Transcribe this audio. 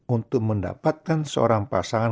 untuk mendapatkan seorang pasangan